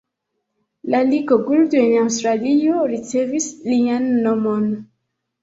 La Ligo Gould en Aŭstralio ricevis lian nomon.